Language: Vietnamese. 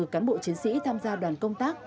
hai mươi bốn cán bộ chiến sĩ tham gia đoàn công tác